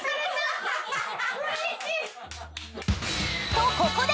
［とここで］